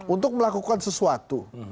untuk melakukan sesuatu